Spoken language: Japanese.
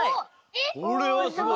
これはすごい。